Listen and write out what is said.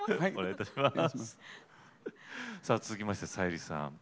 続きまして、さゆりさん。